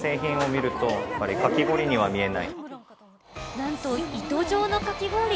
なんと糸状のかき氷。